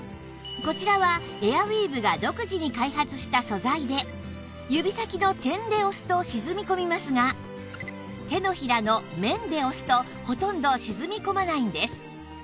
こちらはエアウィーヴが独自に開発した素材で指先の「点」で押すと沈み込みますが手のひらの「面」で押すとほとんど沈み込まないんです